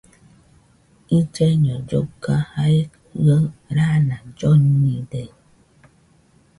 Illaiño lloga, jae jɨaɨ raana llonide